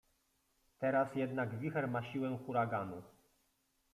Teraz jednak wicher ma siłę huraganu.